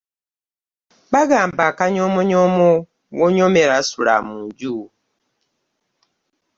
Bagamba akanyoomonyoomo w'onyoomera sula mu nju.